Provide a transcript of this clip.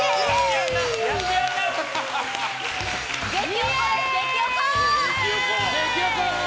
激おこー！